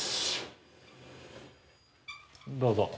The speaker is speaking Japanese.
どうぞ。